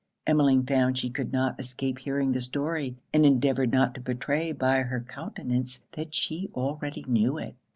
Emmeline found she could not escape hearing the story, and endeavoured not to betray by her countenance that she already knew it.